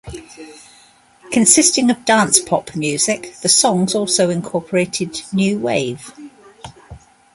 Consisting of dance-pop music, the songs also incorporated new wave.